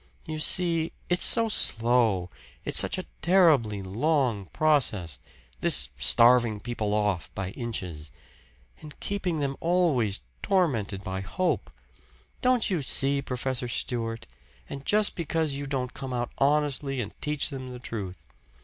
You see, it's so slow it's such a terribly long process this starving people off by inches. And keeping them always tormented by hope. Don't you see, Professor Stewart? And just because you don't come out honestly and teach them the truth.